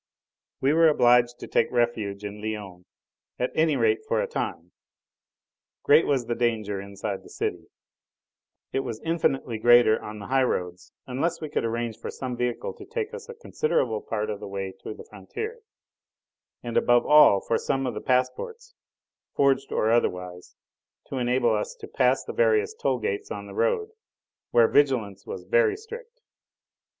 We were obliged to take refuge in Lyons, at any rate for a time. Great as was the danger inside the city, it was infinitely greater on the high roads, unless we could arrange for some vehicle to take us a considerable part of the way to the frontier, and above all for some sort of passports forged or otherwise to enable us to pass the various toll gates on the road, where vigilance was very strict.